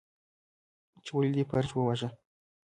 ، چې ولې دې فرج وواژه؟